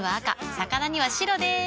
魚には白でーす。